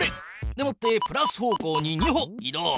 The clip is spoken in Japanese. でもってプラス方向に２歩い動。